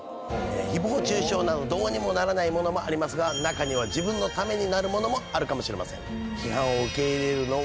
誹謗中傷などどうにもならないものもありますが中には自分のためになるものもあるかもしれません。